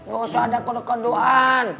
gak usah ada kode kodean